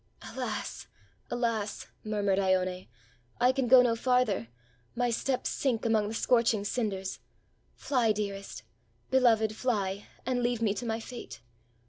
"Alas! alas!" murmured lone, "I can go no farther; my steps sink among the scorching cinders. Fly, dearest !— beloved, fly! and leave me to my fate!"